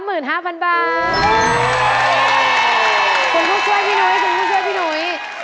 คุณพ่อช่วยพี่นุ๊ย